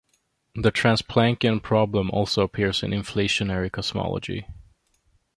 The trans-Planckian problem also appears in inflationary cosmology.